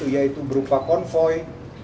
yaitu berupa konvoy